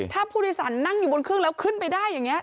ถ้าผู้โดยสารนั่งอยู่บนเครื่องแล้วขึ้นไปได้อย่างนี้